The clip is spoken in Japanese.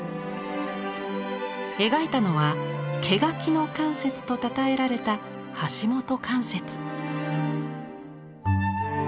描いたのは「毛描きの関雪」とたたえられた橋本関雪。